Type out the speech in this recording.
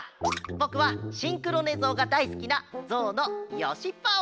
ぼくはシンクロねぞうがだいすきなゾウのよしパオ！